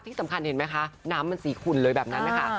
ที่สำคัญเห็นไหมคะน้ำมันสีขุ่นเลยแบบนั้นนะคะ